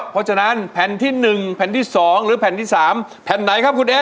เพราะฉะนั้นแผ่นที่๑แผ่นที่๒หรือแผ่นที่๓แผ่นไหนครับคุณเอ๊